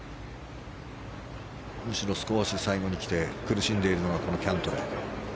むしろ少し最後に来て苦しんでいるのはキャントレー。